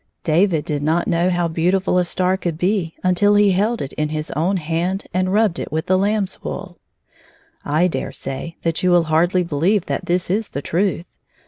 David did not know how beautifol a star could be until he held it in his own hand and rubbed it with lamb^s wool. I dare say that you will hardly believe that this is the truth.